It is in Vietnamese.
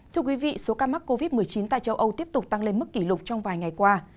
thưa quý vị số ca mắc covid một mươi chín tại châu âu tiếp tục tăng lên mức kỷ lục trong vài ngày qua